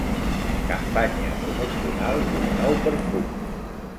Campanya promocional d'un nou perfum.